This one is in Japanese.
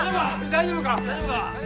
・大丈夫か？